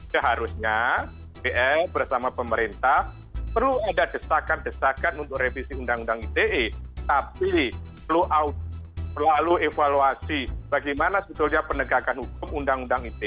seharusnya bn bersama pemerintah perlu ada desakan desakan untuk revisi undang undang itei tapi perlu lalu evaluasi bagaimana titulnya penegakan hukum undang undang itei